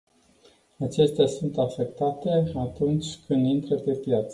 Acestea sunt afectate atunci când intră pe piață.